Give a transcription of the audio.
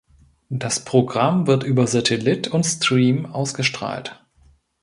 Das Programm wird über Satellit und Stream ausgestrahlt.